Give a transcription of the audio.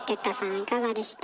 いかがでした？